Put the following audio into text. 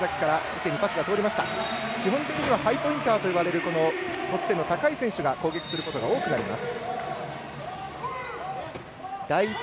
基本的にはハイポインターといわれる持ち点の高い選手が攻撃することが多くなります。